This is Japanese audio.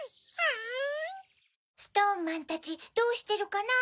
・「ストーンマンたちどうしてるかな？」